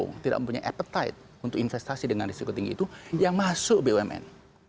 yang tidak mempunyai appetite untuk investasi dengan risiko tinggi itu yang masuk bumn